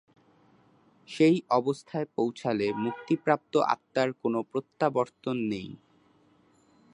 সেই অবস্থায় পৌঁছলে মুক্তিপ্রাপ্ত আত্মার কোনো প্রত্যাবর্তন নেই।